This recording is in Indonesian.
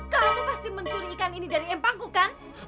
kamu pasti mencuri ikan ini dari empanku kan